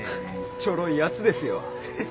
ちょろいやつですよ。